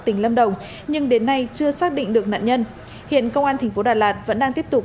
tỉnh lâm đồng nhưng đến nay chưa xác định được nạn nhân hiện công an thành phố đà lạt vẫn đang tiếp tục